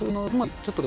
ちょっと。